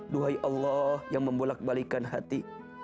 duhai allah yang membolak balikan hati